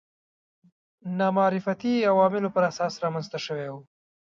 نامعرفتي عواملو پر اساس رامنځته شوي وو